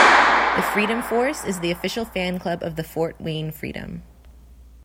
The Freedom Force is the official fan club of the Fort Wayne Freedom.